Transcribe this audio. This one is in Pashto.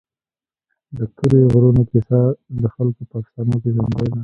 د تورې غرونو کیسه د خلکو په افسانو کې ژوندۍ ده.